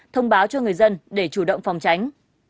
thông báo cho người dân để chủ động phòng tránh